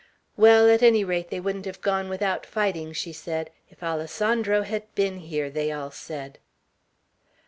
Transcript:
"Well, at any rate they wouldn't have gone without fighting!" she said. "'If Alessandro had been here!' they all said."